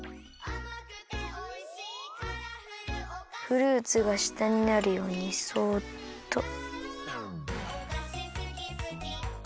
フルーツがしたになるようにそっと。